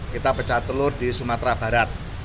kita pecah telur di sumatera barat